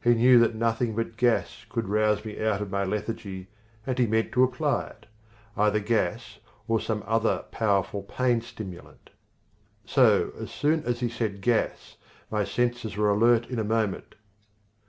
He knew that nothing but gas could rouse me out of my lethargy and he meant to apply it either gas or some other powerful pain stimulant. So, as soon as he said "gas," my senses were alert in a moment.